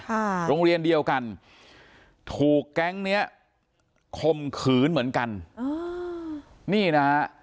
ร้านโรงเรียนเดียวกันถูกแก๊งคมขืนเหมือนกัน